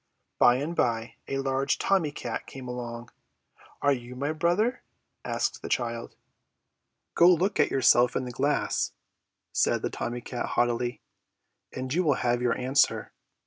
By and by a large Tommy Cat came along. "Are you my brother?" asked the child. "Go and look at yourself in the glass," said the Tommy Cat haughtily, "and you will have your answer.